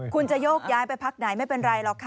คุณจะโยกย้ายไปพักไหนไม่เป็นไรหรอกค่ะ